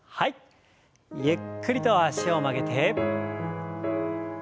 ゆっくりと脚を曲げて伸ばして。